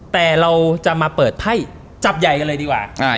แต่เราจะมาเปิดไพ่จับใหญ่กันเลยดีกว่า